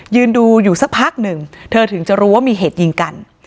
ยืนดูอยู่สักพักหนึ่งเธอถึงจะรู้ว่ามีเหตุยิงกัน